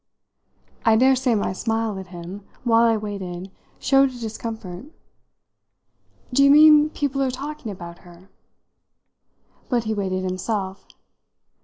I daresay my smile at him, while I waited, showed a discomfort. "Do you mean people are talking about her?" But he waited himself.